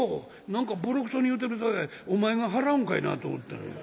何かぼろくそに言うてるさかいお前が払うんかいなと思ったんや。